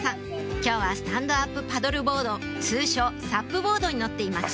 今日はスタンドアップパドルボード通称サップボードに乗っています